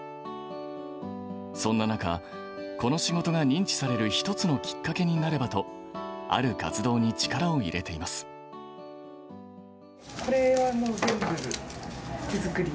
そんな中、この仕事が認知される一つのきっかけになればと、ある活動に力をこれはもう全部手作り？